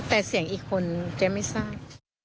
แต่เสียงอีกคนเจ๊ไม่ทราบ